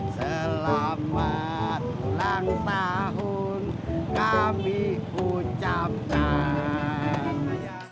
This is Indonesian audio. selamat ulang tahun kami ucapkan